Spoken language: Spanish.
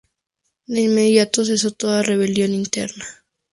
De inmediato cesó toda rebelión interna.